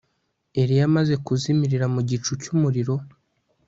eliya amaze kuzimirira mu gicu cy'umuriro